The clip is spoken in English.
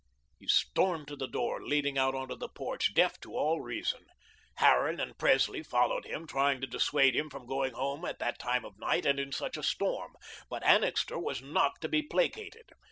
He stormed to the door leading out upon the porch, deaf to all reason. Harran and Presley followed him, trying to dissuade him from going home at that time of night and in such a storm, but Annixter was not to be placated.